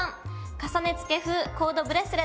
「重ね付け風！コードブレスレット」。